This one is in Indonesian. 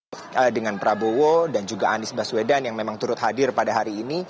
dan ini juga terjadi dengan prabowo dan juga anies baswedan yang memang turut hadir pada hari ini